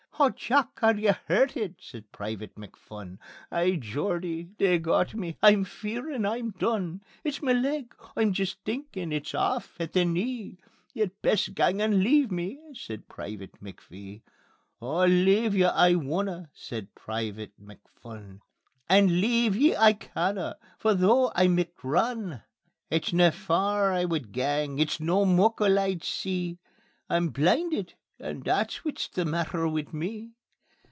"Haw, Jock! Are ye hurtit?" says Private McPhun. "Ay, Geordie, they've got me; I'm fearin' I'm done. It's ma leg; I'm jist thinkin' it's aff at the knee; Ye'd best gang and leave me," says Private McPhee. "Oh leave ye I wunna," says Private McPhun; "And leave ye I canna, for though I micht run, It's no faur I wud gang, it's no muckle I'd see: I'm blindit, and that's whit's the maitter wi' me."